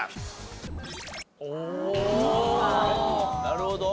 なるほど。